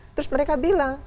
terus mereka bilang